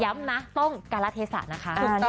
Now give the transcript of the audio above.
แต่ย้ำนะต้องการละเทศานะคะ